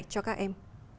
cho các em